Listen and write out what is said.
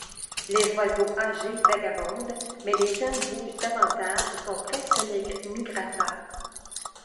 Les oiseaux âgés vagabondent, mais les jeunes bougent davantage et sont presque migrateurs.